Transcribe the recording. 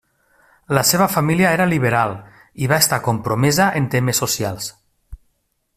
La seva família era liberal i va estar compromesa en temes socials.